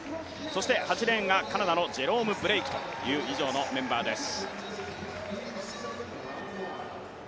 ８レーンがカナダのジェロム・ブレークという以上のメンバーです。